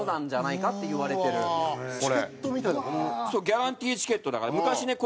ギャランティーチケットだから昔ね